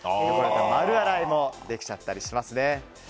丸洗いもできちゃったりします。